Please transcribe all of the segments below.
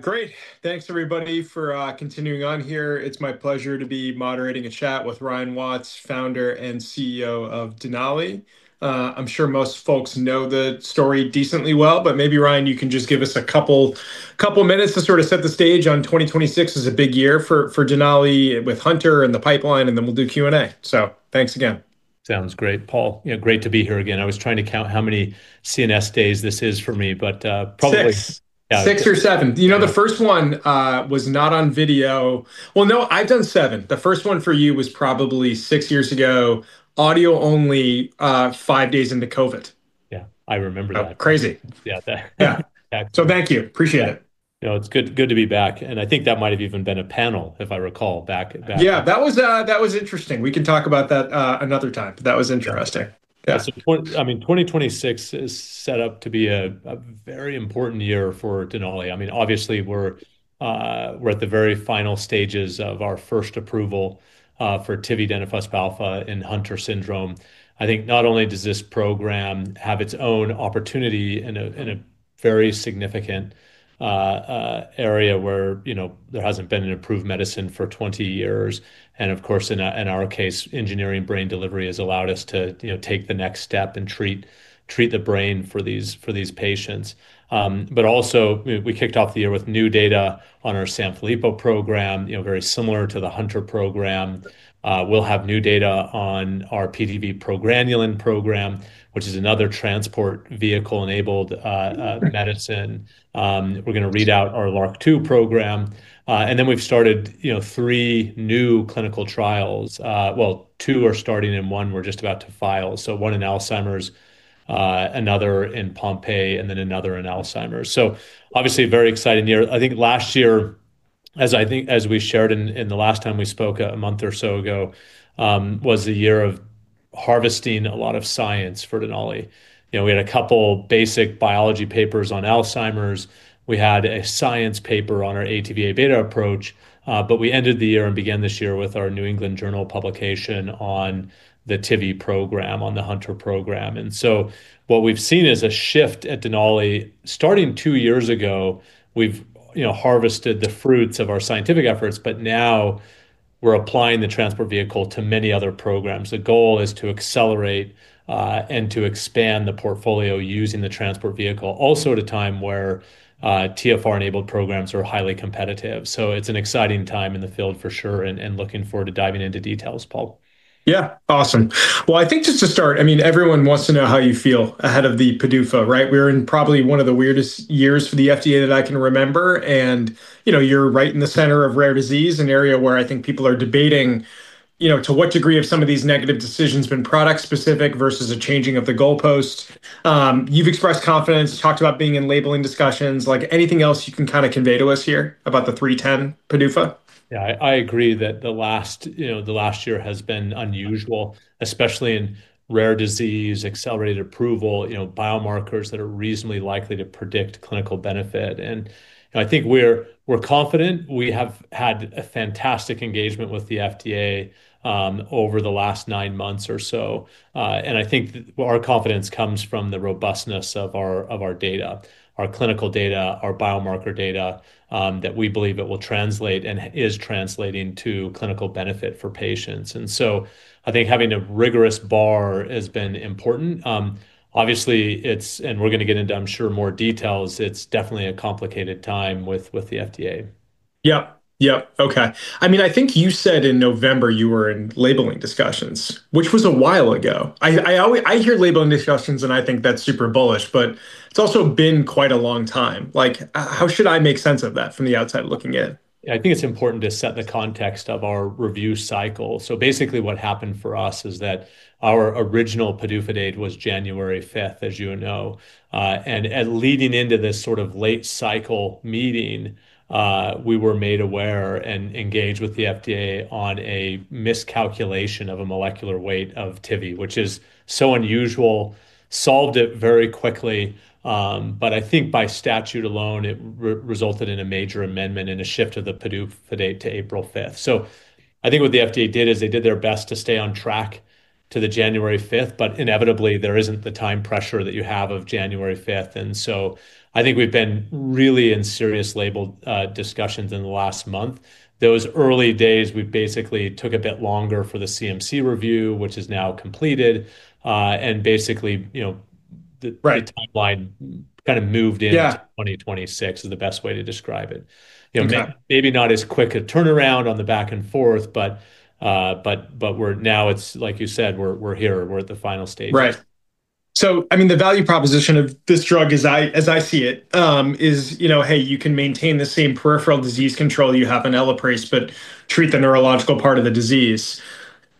Great. Thanks everybody for continuing on here. It's my pleasure to be moderating a chat with Ryan Watts, founder and CEO of Denali. I'm sure most folks know the story decently well, but maybe Ryan, you can just give us a couple minutes to sort of set the stage on 2026 is a big year for Denali with Hunter and the pipeline, and then we'll do Q&A. Thanks again. Sounds great, Paul. You know, great to be here again. I was trying to count how many CNS days this is for me, but, probably. Six Yeah. Six or seven. You know, the first one was not on video. Well, no, I've done seven. The first one for you was probably six years ago, audio only, five days into COVID. Yeah, I remember that. Crazy. Yeah. Yeah. Thank you. Appreciate it. You know, it's good to be back, and I think that might have even been a panel, if I recall. Yeah, that was interesting. We can talk about that, another time, but that was interesting. Yeah. Yeah. 2026 is set up to be a very important year for Denali. I mean, obviously we're at the very final stages of our first approval for tividenofusp alfa in Hunter syndrome. I think not only does this program have its own opportunity in a very significant area where, you know, there hasn't been an approved medicine for 20 years, and of course, in our case, engineering brain delivery has allowed us to, you know, take the next step and treat the brain for these patients. We kicked off the year with new data on our Sanfilippo program, you know, very similar to the Hunter program. We'll have new data on our TV progranulin program, which is another transport vehicle-enabled. Mm-hmm Medicine. We're gonna read out our LRRK2 program. Then we've started, you know, three new clinical trials. Well, two are starting, and one we're just about to file. One in Alzheimer's, another in Pompe, and another in Alzheimer's. Obviously a very exciting year. I think last year, as we shared in the last time we spoke a month or so ago, was the year of harvesting a lot of science for Denali. You know, we had a couple basic biology papers on Alzheimer's. We had a science paper on our ATV:Abeta approach, but we ended the year and began this year with our New England Journal of Medicine publication on the tividenofusp alfa program, on the Hunter program. What we've seen is a shift at Denali. Starting two years ago, we've, you know, harvested the fruits of our scientific efforts, but now we're applying the transport vehicle to many other programs. The goal is to accelerate and to expand the portfolio using the transport vehicle, also at a time where TfR-enabled programs are highly competitive. It's an exciting time in the field for sure, and looking forward to diving into details, Paul. Yeah. Awesome. Well, I think just to start, I mean, everyone wants to know how you feel ahead of the PDUFA, right? We're in probably one of the weirdest years for the FDA that I can remember, and, you know, you're right in the center of rare disease, an area where I think people are debating, you know, to what degree have some of these negative decisions been product specific versus a changing of the goalpost. You've expressed confidence, talked about being in labeling discussions. Like, anything else you can kind of convey to us here about the 3/10 PDUFA? Yeah, I agree that the last year has been unusual, especially in rare disease, Accelerated Approval, you know, biomarkers that are reasonably likely to predict clinical benefit. I think we're confident. We have had a fantastic engagement with the FDA over the last nine months or so. I think our confidence comes from the robustness of our data, our clinical data, our biomarker data that we believe it will translate and is translating to clinical benefit for patients. I think having a rigorous bar has been important. Obviously it's, and we're gonna get into, I'm sure, more details. It's definitely a complicated time with the FDA. Yep. Okay. I mean, I think you said in November you were in labeling discussions, which was a while ago. I hear labeling discussions, and I think that's super bullish, but it's also been quite a long time. Like, how should I make sense of that from the outside looking in? I think it's important to set the context of our review cycle. Basically what happened for us is that our original PDUFA date was January 5th, as you know. And leading into this sort of late cycle meeting, we were made aware and engaged with the FDA on a miscalculation of a molecular weight of tividenofusp alfa, which is so unusual. Solved it very quickly, but I think by statute alone, it resulted in a major amendment and a shift of the PDUFA date to April 5th. I think what the FDA did is they did their best to stay on track to the January 5th, but inevitably there isn't the time pressure that you have of January 5th. I think we've been really in serious label discussions in the last month. Those early days we basically took a bit longer for the CMC review, which is now completed, and basically, you know. Right The timeline kind of moved into. Yeah 2026 is the best way to describe it. You know. Exactly Maybe not as quick a turnaround on the back and forth, but we're now, it's like you said, we're here, we're at the final stages. Right. I mean, the value proposition of this drug as I see it, is, you know, hey, you can maintain the same peripheral disease control you have in ELAPRASE, but treat the neurological part of the disease.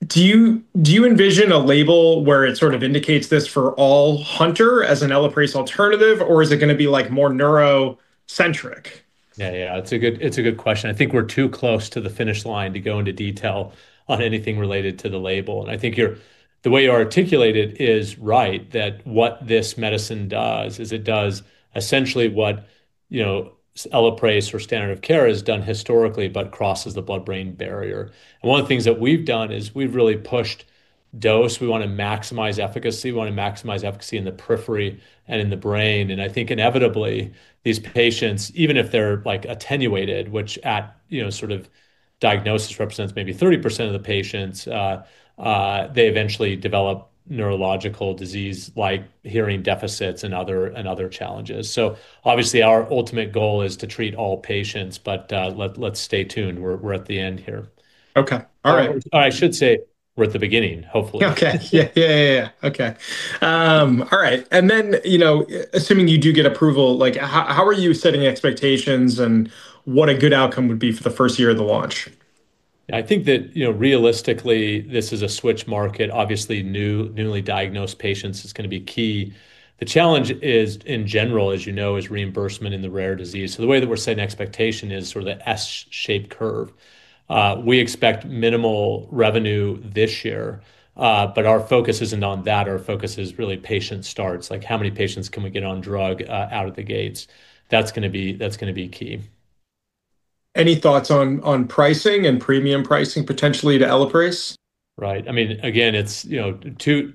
Do you envision a label where it sort of indicates this for all Hunter as an ELAPRASE alternative, or is it gonna be like more neuro-centric? Yeah, yeah. It's a good question. I think we're too close to the finish line to go into detail on anything related to the label. I think you're. The way you articulate it is right, that what this medicine does is it does essentially what, you know, ELAPRASE or standard of care has done historically, but crosses the blood-brain barrier. One of the things that we've done is we've really pushed dose. We wanna maximize efficacy, we wanna maximize efficacy in the periphery and in the brain. I think inevitably these patients, even if they're, like, attenuated, which at, you know, sort of diagnosis represents maybe 30% of the patients, they eventually develop neurological disease like hearing deficits and other challenges. Obviously, our ultimate goal is to treat all patients. Let's stay tuned. We're at the end here. Okay. All right. I should say we're at the beginning, hopefully. You know, assuming you do get approval, like, how are you setting expectations and what a good outcome would be for the first year of the launch? I think that, you know, realistically, this is a switch market. Obviously new, newly diagnosed patients is gonna be key. The challenge is, in general, as you know, is reimbursement in the rare disease. So the way that we're setting expectation is sort of the S-shaped curve. We expect minimal revenue this year, but our focus isn't on that. Our focus is really patient starts, like how many patients can we get on drug, out of the gates. That's gonna be key. Any thoughts on pricing and premium pricing potentially to ELAPRASE? Right. I mean, again, it's you know too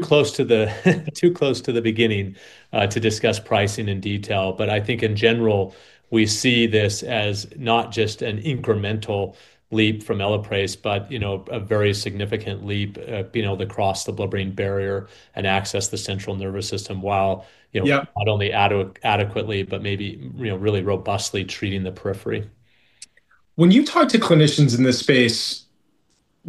close to the beginning to discuss pricing in detail. I think in general, we see this as not just an incremental leap from ELAPRASE, but you know a very significant leap at being able to cross the blood-brain barrier and access the central nervous system while- Yeah You know, not only adequately, but maybe, you know, really robustly treating the periphery. When you talk to clinicians in this space,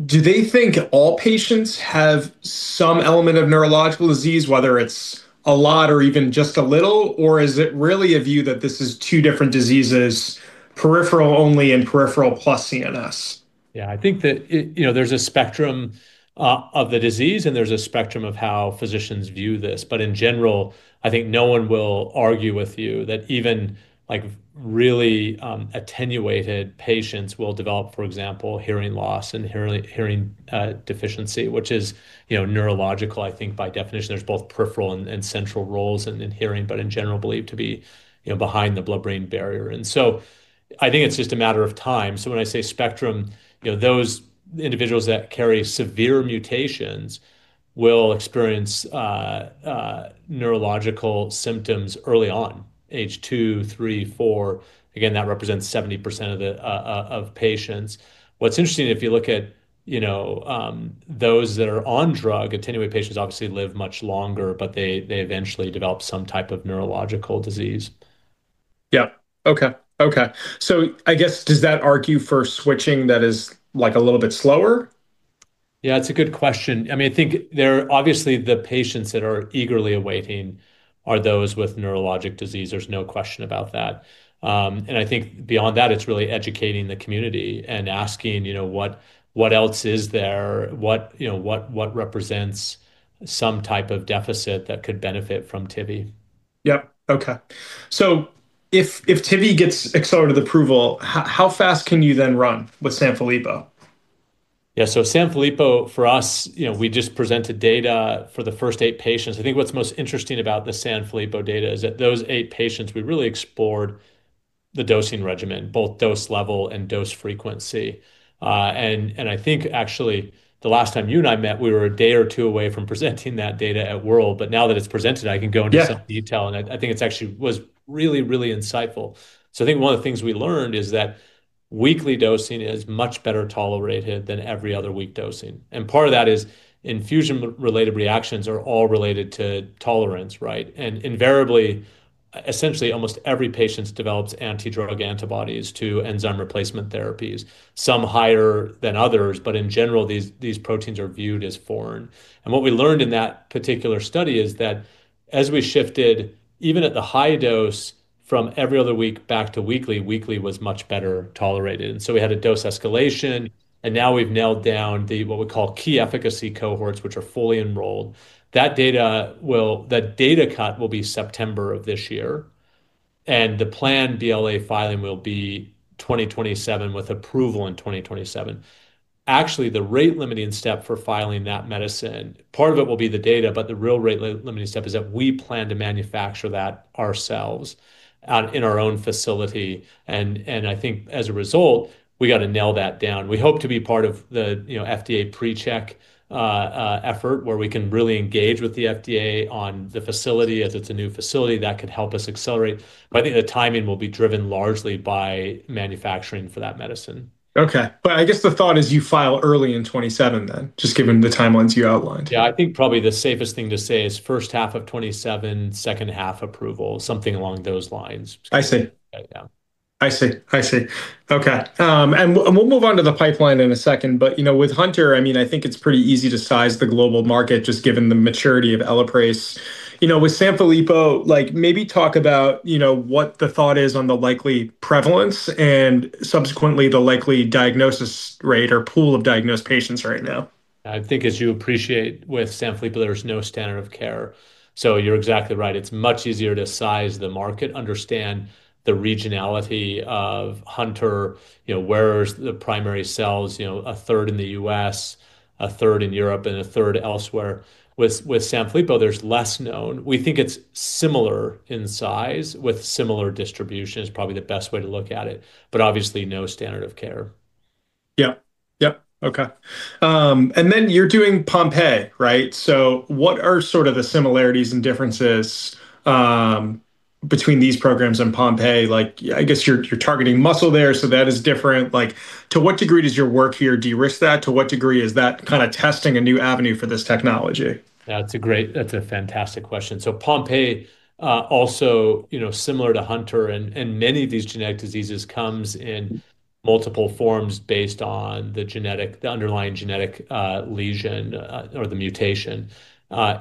do they think all patients have some element of neurological disease, whether it's a lot or even just a little? Or is it really a view that this is two different diseases, peripheral only and peripheral plus CNS? Yeah, I think that it, you know, there's a spectrum of the disease, and there's a spectrum of how physicians view this. But in general, I think no one will argue with you that even, like, really, attenuated patients will develop, for example, hearing loss and hearing deficiency, which is, you know, neurological, I think, by definition. There's both peripheral and central roles in hearing, but in general believed to be, you know, behind the blood-brain barrier. I think it's just a matter of time. When I say spectrum, you know, those individuals that carry severe mutations will experience neurological symptoms early on, age two, three, four. Again, that represents 70% of the patients. What's interesting, if you look at, you know, those that are on drug, attenuated patients obviously live much longer, but they eventually develop some type of neurological disease. Yeah. Okay. I guess, does that argue for switching that is, like, a little bit slower? Yeah, it's a good question. I mean, I think there are obviously the patients that are eagerly awaiting are those with neurologic disease. There's no question about that. I think beyond that, it's really educating the community and asking, you know, what else is there? What, you know, what represents some type of deficit that could benefit from tividenofusp alfa? Yep. Okay. If tividenofusp alfa gets Accelerated Approval, how fast can you then run with Sanfilippo? Yeah. Sanfilippo for us, you know, we just presented data for the first eight patients. I think what's most interesting about the Sanfilippo data is that those eight patients, we really explored the dosing regimen, both dose level and dose frequency. I think actually the last time you and I met, we were a day or two away from presenting that data at WORLDSymposium. Now that it's presented, I can go into.. Yeah some detail, and I think it's actually was really, really insightful. I think one of the things we learned is that weekly dosing is much better tolerated than every other week dosing. Part of that is infusion related reactions are all related to tolerance, right? Invariably, essentially almost every patients develops anti-drug antibodies to enzyme replacement therapies, some higher than others, but in general, these proteins are viewed as foreign. What we learned in that particular study is that as we shifted, even at the high dose from every other week back to weekly was much better tolerated. We had a dose escalation, and now we've nailed down the, what we call key efficacy cohorts, which are fully enrolled. That data will. That data cut will be September of this year, and the planned BLA filing will be 2027 with approval in 2027. Actually, the rate limiting step for filing that medicine, part of it will be the data, but the real rate limiting step is that we plan to manufacture that ourselves out in our own facility. I think as a result, we gotta nail that down. We hope to be part of the, you know, FDA pre-check effort where we can really engage with the FDA on the facility. As it's a new facility, that could help us accelerate. I think the timing will be driven largely by manufacturing for that medicine. Okay. I guess the thought is you file early in 2027 then, just given the timelines you outlined. Yeah. I think probably the safest thing to say is first half of 2027, second half approval, something along those lines. I see. Yeah. I see. Okay. We'll move on to the pipeline in a second. You know, with Hunter, I mean, I think it's pretty easy to size the global market just given the maturity of ELAPRASE. You know, with Sanfilippo, like, maybe talk about, you know, what the thought is on the likely prevalence and subsequently the likely diagnosis rate or pool of diagnosed patients right now. I think as you appreciate with Sanfilippo, there's no standard of care. You're exactly right. It's much easier to size the market, understand the regionality of Hunter, you know, where's the primary cells, you know, a third in the U.S., a third in Europe, and a third elsewhere. With Sanfilippo, there's less known. We think it's similar in size with similar distribution is probably the best way to look at it, but obviously no standard of care. Yep. Okay. Then you're doing Pompe, right? What are sort of the similarities and differences between these programs and Pompe? Like, I guess you're targeting muscle there, so that is different. Like, to what degree does your work here de-risk that? To what degree is that kind of testing a new avenue for this technology? That's a fantastic question. Pompe also, you know, similar to Hunter and many of these genetic diseases, comes in multiple forms based on the underlying genetic lesion or the mutation.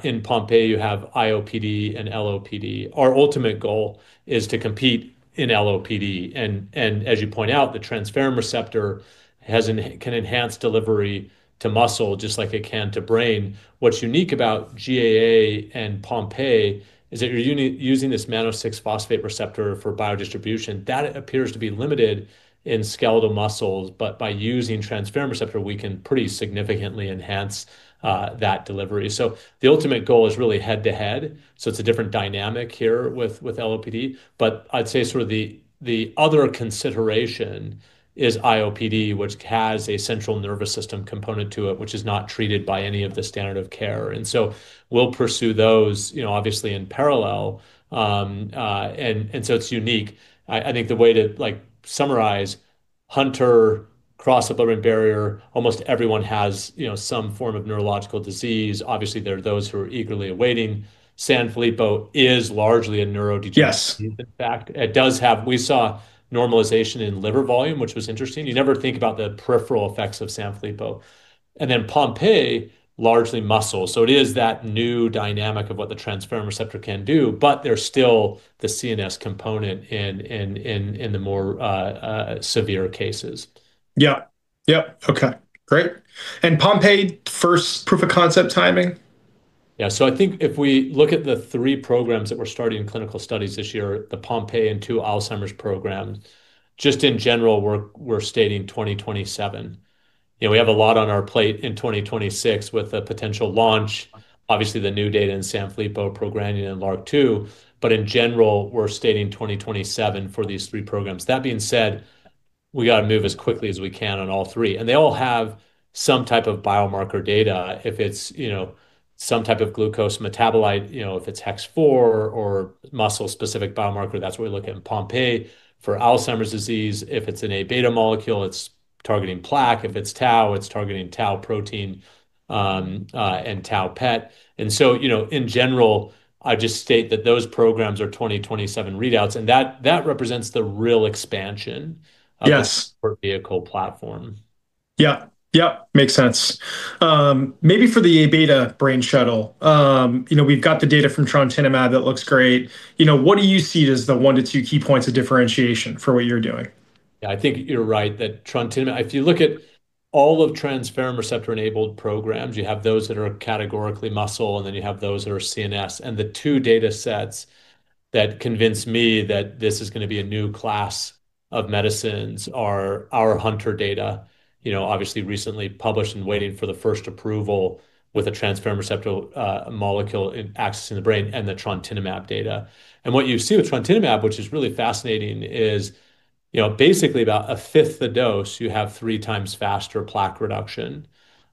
In Pompe, you have IOPD and LOPD. Our ultimate goal is to compete in LOPD. As you point out, the transferrin receptor can enhance delivery to muscle just like it can to brain. What's unique about GAA and Pompe is that you're using this mannose-6-phosphate receptor for biodistribution. That appears to be limited in skeletal muscles, but by using transferrin receptor, we can pretty significantly enhance that delivery. The ultimate goal is really head-to-head, so it's a different dynamic here with LOPD. I'd say sort of the other consideration is IOPD, which has a central nervous system component to it, which is not treated by any of the standard of care. We'll pursue those, you know, obviously in parallel, so it's unique. I think the way to, like, summarize Hunter cross the blood-brain barrier, almost everyone has, you know, some form of neurological disease. Obviously, there are those who are eagerly awaiting. Sanfilippo is largely a neurodegenerative- Yes disease. In fact, we saw normalization in liver volume, which was interesting. You never think about the peripheral effects of Sanfilippo. Pompe, largely muscle. It is that new dynamic of what the transferrin receptor can do, but there's still the CNS component in the more severe cases. Yeah. Yep. Okay. Great. Pompe, first proof of concept timing? Yeah. I think if we look at the three programs that we're starting clinical studies this year, the Pompe and two Alzheimer's program, just in general, we're stating 2027. You know, we have a lot on our plate in 2026 with a potential launch. Obviously, the new data in Sanfilippo, progranulin, and LRRK2, but in general, we're stating 2027 for these three programs. That being said, we got to move as quickly as we can on all three. They all have some type of biomarker data. If it's, you know, some type of glucose metabolite, you know, if it's Hex4 or muscle-specific biomarker, that's what we look at in Pompe. For Alzheimer's disease, if it's an Abeta molecule, it's targeting plaque. If it's tau, it's targeting tau protein, and tau PET. You know, in general, I just state that those programs are 2027 readouts, and that represents the real expansion. Yes of the Transport Vehicle platform. Yeah. Yep. Makes sense. Maybe for the Abeta brain shuttle, you know, we've got the data from trontinemab that looks great. You know, what do you see as the one to two key points of differentiation for what you're doing? Yeah, I think you're right that trontinemab. If you look at all of transferrin receptor-enabled programs, you have those that are categorically muscle, and then you have those that are CNS. The two datasets that convince me that this is going to be a new class of medicines are our Hunter data, you know, obviously recently published and waiting for the first approval with a transferrin receptor molecule in accessing the brain, and the trontinemab data. What you see with trontinemab, which is really fascinating, is, you know, basically about a fifth the dose, you have three times faster plaque reduction,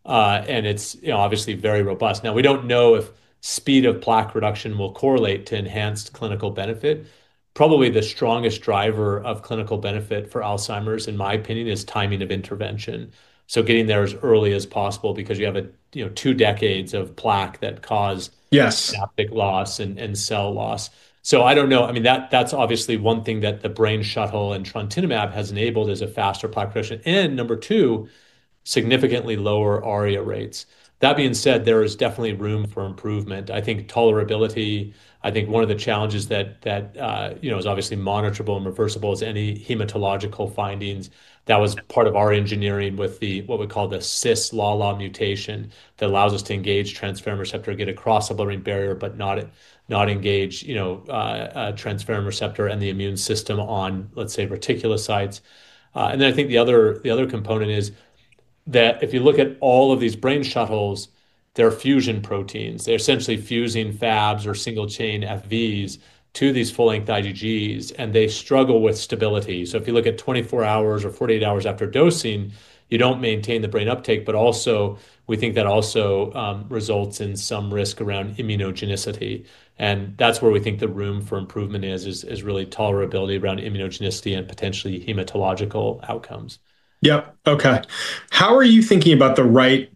and it's, you know, obviously very robust. Now, we don't know if speed of plaque reduction will correlate to enhanced clinical benefit. Probably the strongest driver of clinical benefit for Alzheimer's, in my opinion, is timing of intervention. Getting there as early as possible because you have a, you know, two decades of plaque that caused- Yes Synaptic loss and cell loss. I don't know. I mean, that's obviously one thing that the brain shuttle and trontinemab has enabled is a faster plaque reduction. Number two, significantly lower ARIA rates. That being said, there is definitely room for improvement. I think tolerability. I think one of the challenges that you know is obviously monitorable and reversible is any hematological findings. That was part of our engineering with what we call the cis-LALA mutation that allows us to engage transferrin receptor, get across the blood-brain barrier, but not engage a transferrin receptor and the immune system on, let's say, reticulocytes. I think the other component is that if you look at all of these brain shuttles, they're fusion proteins. They're essentially fusing Fabs or single-chain Fvs to these full-length IgG, and they struggle with stability. If you look at 24 hours or 48 hours after dosing, you don't maintain the brain uptake, but also we think that also results in some risk around immunogenicity. That's where we think the room for improvement is really tolerability around immunogenicity and potentially hematological outcomes. Yep. Okay. How are you thinking about the right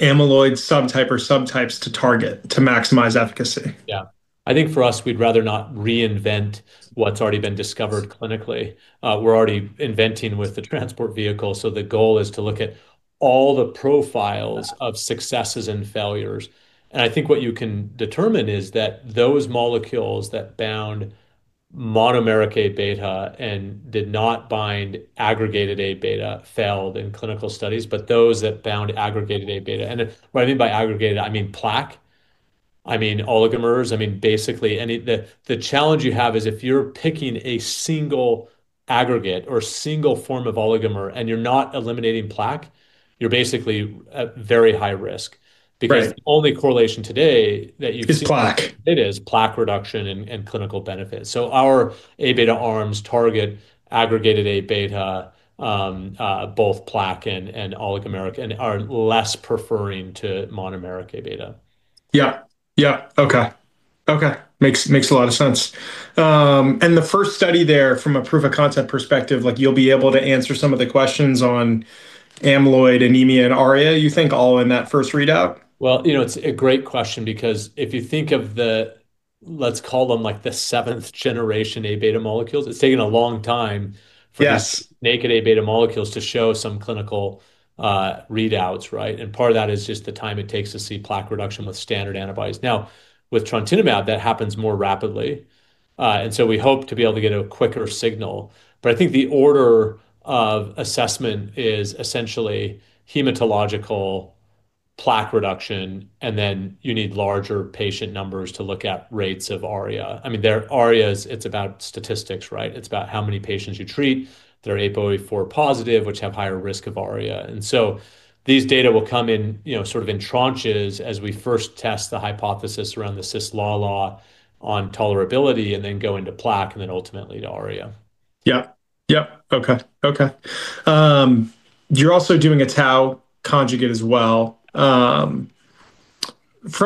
amyloid subtype or subtypes to target to maximize efficacy? Yeah. I think for us, we'd rather not reinvent what's already been discovered clinically. We're already inventing with the transport vehicle, so the goal is to look at all the profiles of successes and failures. I think what you can determine is that those molecules that bound monomeric Abeta and did not bind aggregated Abeta failed in clinical studies, but those that bound aggregated Abeta. What I mean by aggregated, I mean plaque, I mean oligomers, I mean basically any. The challenge you have is if you're picking a single aggregate or single form of oligomer and you're not eliminating plaque, you're basically at very high risk. Right. Because the only correlation today that you can see. Is plaque. It is. Plaque reduction and clinical benefit. Our Abeta arms target aggregated Abeta, both plaque and oligomeric and are less preferential to monomeric Abeta. Yeah. Okay. Makes a lot of sense. The first study there from a proof of concept perspective, like you'll be able to answer some of the questions on amyloid, anemia, and ARIA, you think all in that first readout? Well, you know, it's a great question because if you think of the, let's call them like the seventh generation Abeta molecules, it's taken a long time. Yes For these naked Abeta molecules to show some clinical readouts, right? Part of that is just the time it takes to see plaque reduction with standard antibodies. Now, with trontinemab, that happens more rapidly, and so we hope to be able to get a quicker signal. I think the order of assessment is essentially amyloid plaque reduction, and then you need larger patient numbers to look at rates of ARIA. I mean, ARIA's. It's about statistics, right? It's about how many patients you treat that are APOE4 positive, which have higher risk of ARIA. These data will come in, you know, sort of in tranches as we first test the hypothesis around the cis-LALA on tolerability, and then go into plaque, and then ultimately to ARIA. Yeah. Yep. Okay. You're also doing a tau conjugate as well. From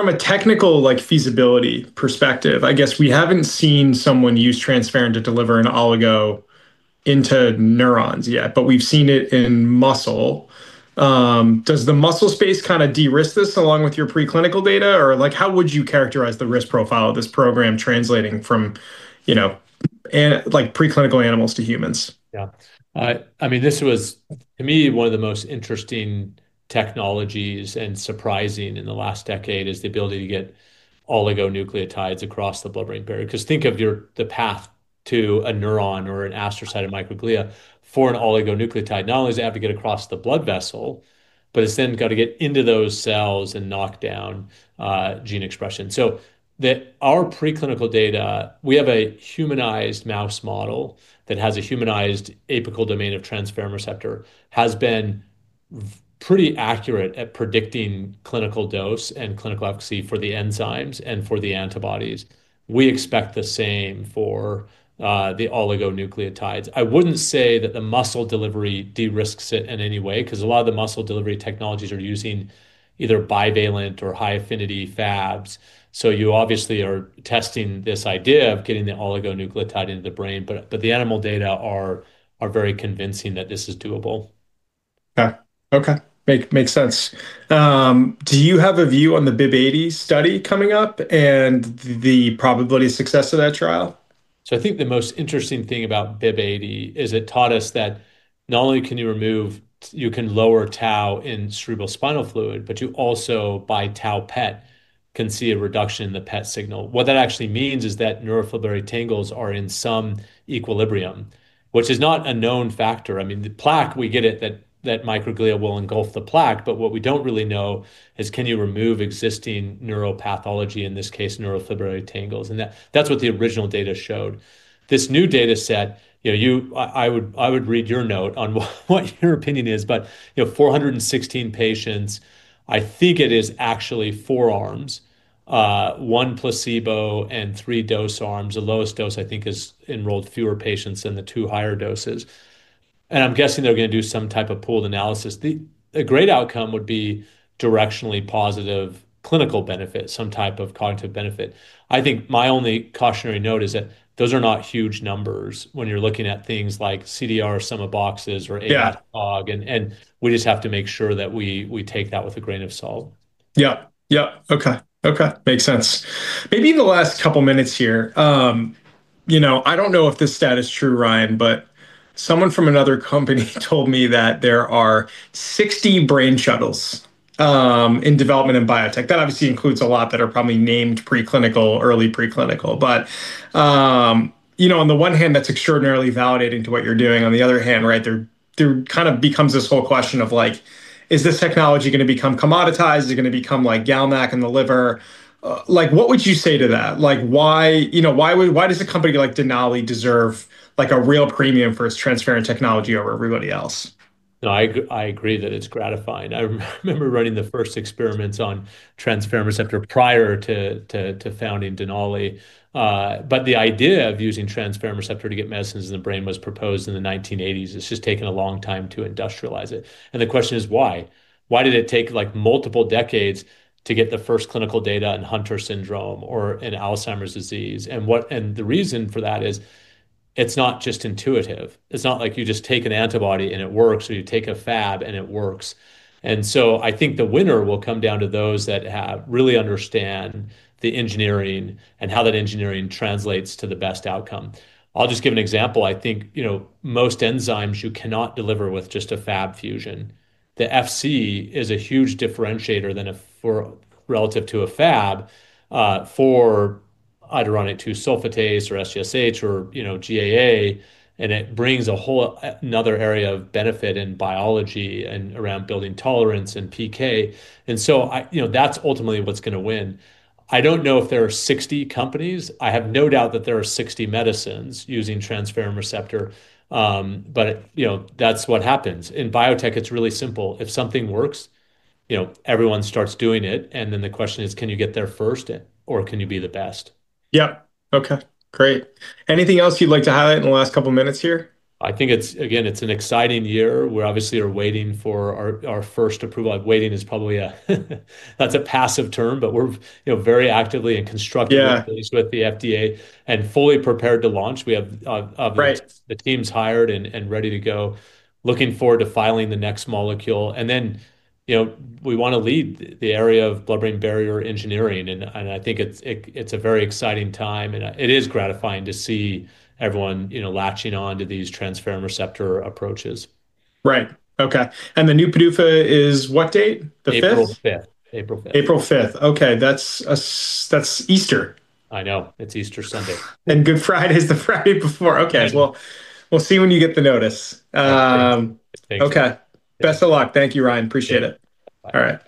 a technical, like feasibility perspective, I guess we haven't seen someone use transferrin to deliver an oligo into neurons yet, but we've seen it in muscle. Does the muscle space kinda de-risk this along with your preclinical data, or like how would you characterize the risk profile of this program translating from, you know, like preclinical animals to humans? Yeah. I mean, this was, to me, one of the most interesting technologies and surprising in the last decade, is the ability to get oligonucleotides across the blood-brain barrier. Because think of the path to a neuron or an astrocyte and microglia. For an oligonucleotide, not only does it have to get across the blood vessel, but it's then got to get into those cells and knock down gene expression. Our preclinical data, we have a humanized mouse model that has a humanized apical domain of transferrin receptor, has been pretty accurate at predicting clinical dose and clinical efficacy for the enzymes and for the antibodies. We expect the same for the oligonucleotides. I wouldn't say that the muscle delivery de-risks it in any way, 'cause a lot of the muscle delivery technologies are using either bivalent or high-affinity Fabs. You obviously are testing this idea of getting the oligonucleotide into the brain, but the animal data are very convincing that this is doable. Okay. Makes sense. Do you have a view on the BIIB080 study coming up and the probability of success of that trial? I think the most interesting thing about BIIB080 is it taught us that not only can you remove, you can lower Tau in cerebrospinal fluid, but you also, by Tau PET, can see a reduction in the PET signal. What that actually means is that neurofibrillary tangles are in some equilibrium, which is not a known factor. I mean, the plaque, we get it that microglia will engulf the plaque, but what we don't really know is can you remove existing neuropathology, in this case neurofibrillary tangles, and that's what the original data showed. This new data set, you know, I would read your note on what your opinion is, but, you know, 416 patients, I think it is actually four arms, one placebo and three dose arms. The lowest dose, I think, has enrolled fewer patients than the two higher doses. I'm guessing they're gonna do some type of pooled analysis. The great outcome would be directionally positive clinical benefit, some type of cognitive benefit. I think my only cautionary note is that those are not huge numbers when you're looking at things like CDR Sum of Boxes or. Yeah ADAS-Cog, and we just have to make sure that we take that with a grain of salt. Makes sense. Maybe in the last couple minutes here, you know, I don't know if this stat is true, Ryan, but someone from another company told me that there are 60 brain shuttles in development in biotech. That obviously includes a lot that are probably named preclinical, early preclinical. You know, on the one hand, that's extraordinarily validating to what you're doing. On the other hand, right, there kind of becomes this whole question of, like, is this technology gonna become commoditized? Is it gonna become like GalNAc in the liver? Like, what would you say to that? Like, why you know, why would a company like Denali deserve like a real premium for its transferrin technology over everybody else? No, I agree that it's gratifying. I remember running the first experiments on transferrin receptor prior to founding Denali. But the idea of using transferrin receptor to get medicines in the brain was proposed in the 1980s. It's just taken a long time to industrialize it. The question is, why? Why did it take, like, multiple decades to get the first clinical data in Hunter syndrome or in Alzheimer's disease? The reason for that is it's not just intuitive. It's not like you just take an antibody and it works, or you take a Fab and it works. I think the winner will come down to those that have really understand the engineering and how that engineering translates to the best outcome. I'll just give an example. I think, you know, most enzymes you cannot deliver with just a Fab fusion. The Fc is a huge differentiator relative to a Fab for iduronate 2-sulfatase or SGSH or, you know, GAA, and it brings a whole another area of benefit in biology and around building tolerance and PK. You know, that's ultimately what's gonna win. I don't know if there are 60 companies. I have no doubt that there are 60 medicines using transferrin receptor. But, you know, that's what happens. In biotech, it's really simple. If something works, you know, everyone starts doing it, and then the question is, can you get there first or can you be the best? Yeah. Okay. Great. Anything else you'd like to highlight in the last couple minutes here? I think it's, again, an exciting year. We obviously are waiting for our first approval. Like, waiting is probably, that's a passive term, but we're, you know, very actively and constructively. Yeah with the FDA and fully prepared to launch. We have Right The teams hired and ready to go, looking forward to filing the next molecule. You know, we wanna lead the area of blood-brain barrier engineering and I think it's a very exciting time, and it is gratifying to see everyone, you know, latching on to these transferrin receptor approaches. Right. Okay. The new PDUFA is what date? The 5th? April 5th. April 5th. Okay. That's Easter. I know. It's Easter Sunday. Good Friday is the Friday before. Okay. Yes. Well, we'll see when you get the notice. Thanks. Okay. Best of luck. Thank you, Ryan. Appreciate it. Bye.